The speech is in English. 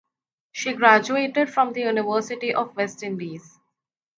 She graduated from the University of the West Indies